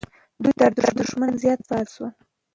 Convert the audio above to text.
دوی تر دښمن زیات په عذاب سول.